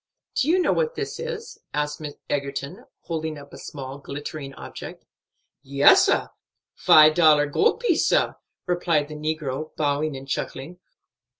"Do you know what this is?" asked Egerton, holding up a small glittering object. "Yes, sah; five dollar gold piece, sah," replied the negro, bowing and chuckling.